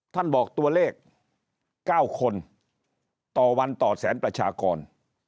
ท่านบอกตัวเลข๙คนต่อวันต่อแสนประชากร